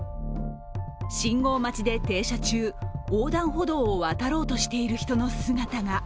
信号待ちで停車中、横断歩道を渡ろうとしている人の姿が。